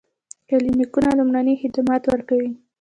کلینیکونه لومړني خدمات ورکوي